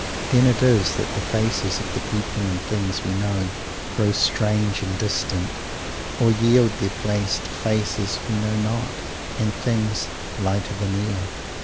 Then it is that the faces of the people and things we know grow strange and distant, or yield their place to faces we know not and things "lighter than air."